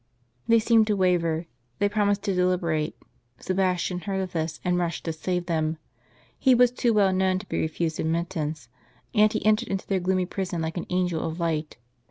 They seemed to waver ; they promised to deliberate. Sebastian heard of this, and rushed to save them. He was too well known to be refused admittance, and lie entered into their gloomy prison like an angel of light.